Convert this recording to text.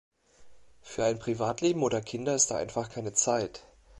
Für ein Privatleben oder Kinder ist da einfach keine Zeit.